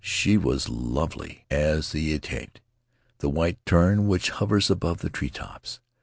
She was lovely as the itatae, the white tern which hovers above the tree tops.